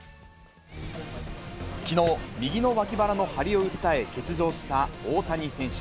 きのう、右の脇腹の張りを訴え、欠場した大谷選手。